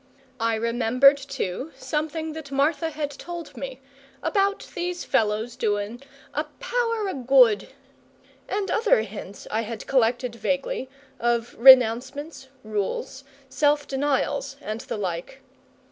I remembered, too, something that Martha had told me, about these same fellows doing "a power o' good," and other hints I had collected vaguely, of renouncements, rules, self denials, and the like.